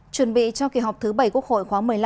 chuyển bị cho kỳ họp thứ bảy quốc hội khoáng một mươi năm